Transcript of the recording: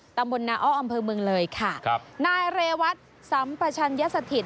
ตำบลนาอ้ออำเภอเมืองเลยค่ะครับนายเรวัตสัมปชัญสถิต